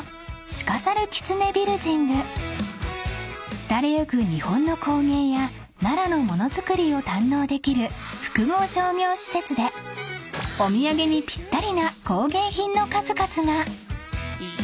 ［廃れゆく日本の工芸や奈良の物づくりを堪能できる複合商業施設でお土産にぴったりな工芸品の数々が！］